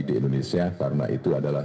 di indonesia karena itu adalah